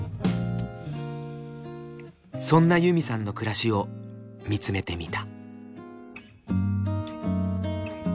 そんなユミさんの暮らしを見つめてみた。